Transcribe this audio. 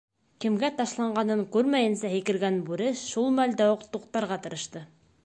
Кемгә ташланғанын күрмәйсә һикергән бүре шул мәлдә үк туҡтарға тырышты.